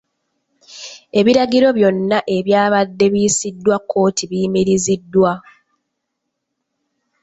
Ebiragiro byonna ebyabadde biyisiddwa kkooti biyimiriziddwa.